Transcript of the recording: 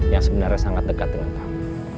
yang sebenarnya sangat dekat dengan kami